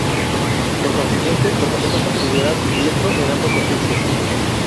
Por consiguiente, lo podemos considerar diestro en ambos oficios.